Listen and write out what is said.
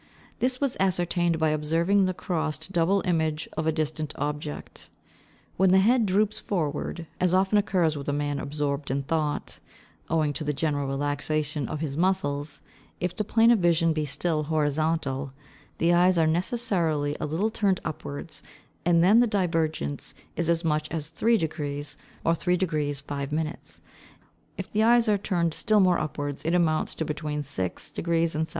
This was ascertained by observing the crossed double image of a distant object. When the head droops forward, as often occurs with a man absorbed in thought, owing to the general relaxation of his muscles, if the plane of vision be still horizontal, the eyes are necessarily a little turned upwards, and then the divergence is as much as 3°, or 3° 5': if the eyes are turned still more upwards, it amounts to between 6° and 7°.